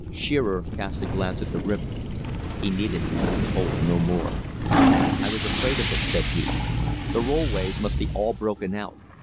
Shearer cast a glance at the river. He needed to be told no more. "I was afraid of it," said he. "The rollways must be all broken out.